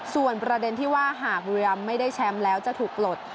ส่วนประเด็นที่ว่าหากบุรีรำไม่ได้แชมป์แล้วจะถูกปลด